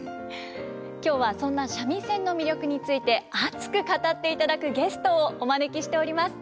今日はそんな三味線の魅力について熱く語っていただくゲストをお招きしております。